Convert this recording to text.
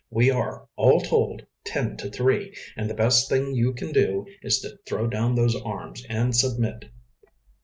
We are, all told, ten to three, and the best thing you can do is to throw down those arms and submit."